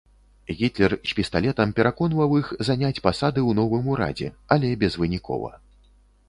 Гітлер з пісталетам пераконваў іх заняць пасады ў новым урадзе, але безвынікова.